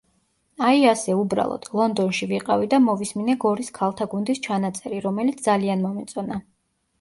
აი, ასე, უბრალოდ, ლონდონში ვიყავი და მოვისმინე გორის ქალთა გუნდის ჩანაწერი, რომელიც ძალიან მომეწონა.